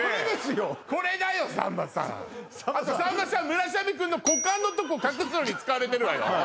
村雨君の股間のとこ隠すのに使われてるわよ